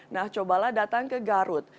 nah cobalah datang ke garut